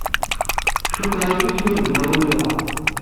Cukkteɣ yif-it ma nebda imir-a.